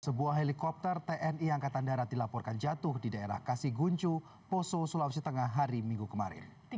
sebuah helikopter tni angkatan darat dilaporkan jatuh di daerah kasiguncu poso sulawesi tengah hari minggu kemarin